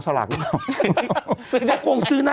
สวัสดีครับคุณผู้ชม